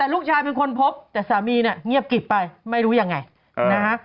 ลูกชายเป็นคนพบแต่สามีเนี่ยเงียบกิบไปไม่รู้ยังไงนะฮะ